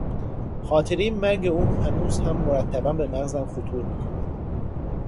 خاطرهی مرگ او هنوز هم مرتبا به مغزم خطور میکند.